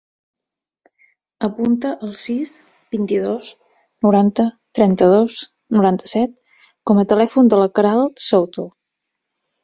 Apunta el sis, vint-i-dos, noranta, trenta-dos, noranta-set com a telèfon de la Queralt Souto.